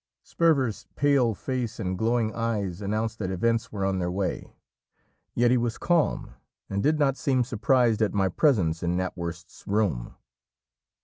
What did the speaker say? Sperver's pale face and glowing eyes announced that events were on their way. Yet he was calm, and did not seem surprised at my presence in Knapwurst's room.